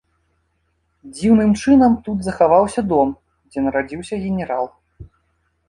Дзіўным чынам тут захаваўся дом, дзе нарадзіўся генерал.